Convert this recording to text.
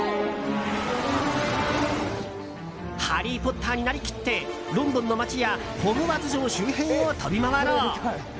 ハリー・ポッターになりきってロンドンの街やホグワーツ城周辺を飛び回ろう。